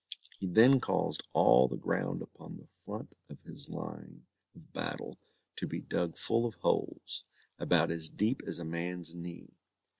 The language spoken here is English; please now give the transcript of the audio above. He then caused all the ground upon the front of his line of battle, to be dug full of holes, about as deep as a man's knee.